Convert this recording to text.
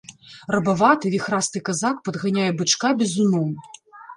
Рабаваты, віхрасты казак падганяе бычка бізуном.